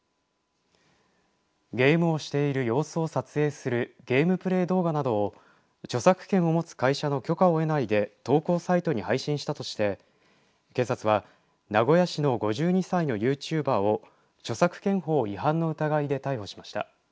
ゲームをしている様子を撮影するゲームプレー動画などを著作権を持つ会社の許可を得ないで投稿サイトに配信したとして警察は、名古屋市の５２歳のユーチューバーを著作権法違反の疑いで逮捕しました。